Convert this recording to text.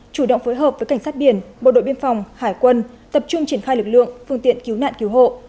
chủ động phối hợp với cảnh sát biển bộ đội biên phòng hải quân tập trung triển khai lực lượng phương tiện cứu nạn cứu hộ